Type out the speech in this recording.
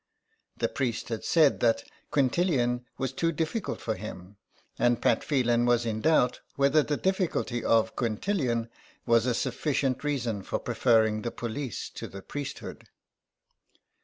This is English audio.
The priest had said that Quintillian was too difficult for him, and Pat Phelan was in doubt whether the difficulty of Quintillian was a sufficient reason for preferring the police to the priesthood.